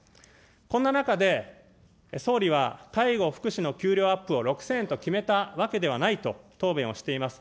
こんな中で、総理は介護・福祉の給料アップを６０００円と決めたわけではないと答弁をしています。